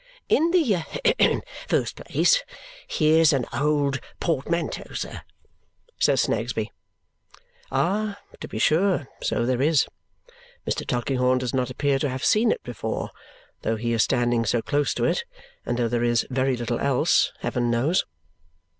"In the first place, here's an old portmanteau, sir," says Snagsby. Ah, to be sure, so there is! Mr. Tulkinghorn does not appear to have seen it before, though he is standing so close to it, and though there is very little else, heaven knows.